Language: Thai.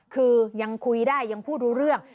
คือยังคุยได้ยังพูดรู้เรื่อง